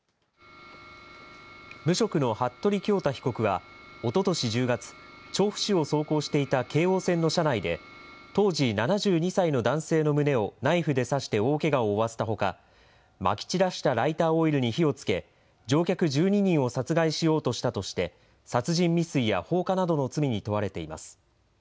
無職の服部恭太被告は、おととし１０月、調布市を走行していた京王線の車内で、当時７２歳の男性の胸をナイフで刺して大けがを負わせたほか、まき散らしたライターオイルに火をつけ、乗客１２人を殺害しようとしたとして、殺人未遂や放火などの罪に問われています。